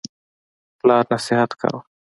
پلار نصیحت کاوه.